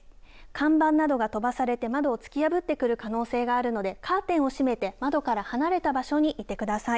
看板などが飛ばされて、窓を突き破ってくる可能性があるので、カーテンを閉めて窓から離れた場所にいてください。